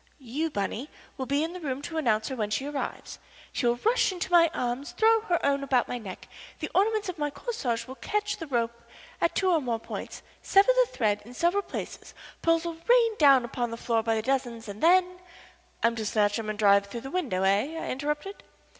You, Bunny, will be in the room to announce her when she arrives. She will rush to my arms, throw her own about my neck, the ornaments of my corsage will catch the rope at two or more points, sever the thread in several places, pearls will rain down upon the floor by dozens, and then " "I'm to snatch 'em and dive through the window, eh?" I interrupted.